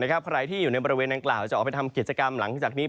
ใครที่อยู่ในบริเวณดังกล่าวจะออกไปทำกิจกรรมหลังจากนี้